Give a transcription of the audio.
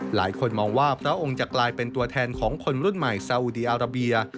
หลายคนมองว่าพระองค์จะกลายเป็นตัวแทนของคนรุ่นใหม่ซาอุดีอาราเบีย